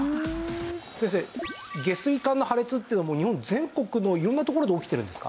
先生下水管の破裂っていうのはもう日本全国の色んな所で起きてるんですか？